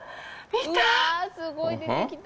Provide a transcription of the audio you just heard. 見た！？